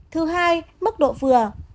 thứ hai mức độ vừa